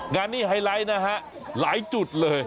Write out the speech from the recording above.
งานนี้ไฮไลท์นะฮะหลายจุดเลย